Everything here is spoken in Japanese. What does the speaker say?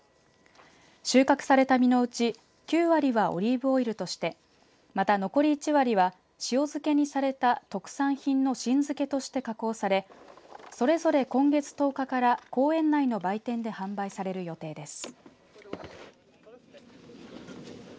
収穫された実のうち９割はオリーブオイルとしてまた残り１割は塩漬けにされた特産品の新漬けとして加工されそれぞれ今月１０日から公園内の売店で販売される予定です。